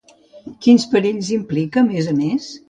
Quins perills implica, a més a més?